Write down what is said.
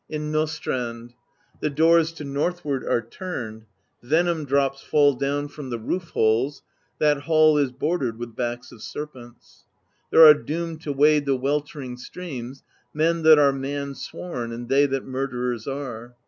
In Nastrand: the doors to northward are turned; Venom drops fall down from the roof holes; That hall is bordered with backs of serpents. There are doomed to wade the weltering streams Men that are mans worn, and they that murderers are.